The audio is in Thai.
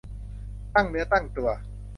ตั้งเนื้อตั้งตัว